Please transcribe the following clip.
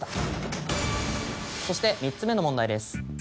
そして３つ目の問題です。